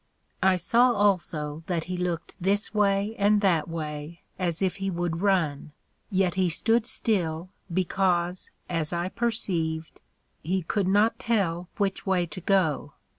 I saw also that he looked this way and that way, as if he would run; yet he stood still, because, as I perceived, he could not tell which way to go.